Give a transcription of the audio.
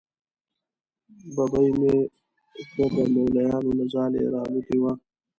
ببۍ مې که د مولیانو له ځالې را الوتې وه.